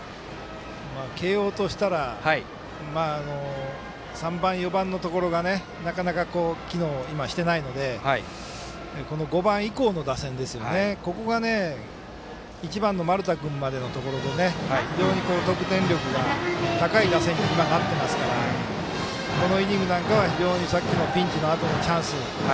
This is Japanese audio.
慶応としたら３番、４番のところがなかなか今、機能していないので５番以降の打線、ここが１番の丸田君のところまで非常に得点力が高い打線になっていますからこのイニングはさっきのピンチのあとのチャンス。